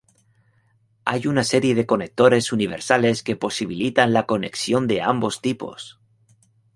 Hay una serie de conectores universales que posibilitan la conexión de ambos tipos.